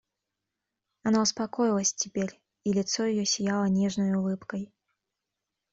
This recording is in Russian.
Она успокоилась теперь, и лицо ее сияло нежною улыбкой.